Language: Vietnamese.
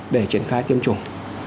để triển khai tiêm chủng